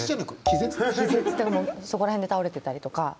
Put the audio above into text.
気絶ってそこら辺で倒れてたりとか。